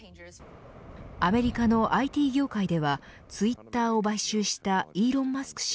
アメリカのＩＴ業界ではツイッターを買収したイーロン・マスク